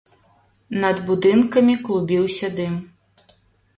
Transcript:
Над будынкамі клубіўся дым.